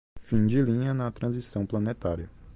Fim de linha na transição planetária